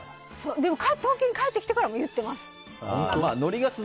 でも東京に帰ってからも言ってます。